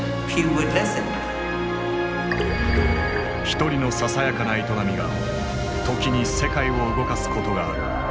一人のささやかな営みが時に世界を動かすことがある。